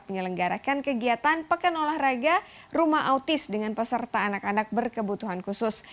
menyelenggarakan kegiatan pekan olahraga rumah autis dengan peserta anak anak berkebutuhan khusus